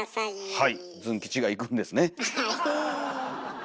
はい。